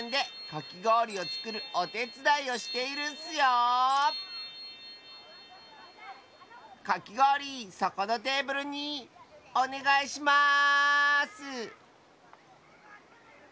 かきごおりそこのテーブルにおねがいします！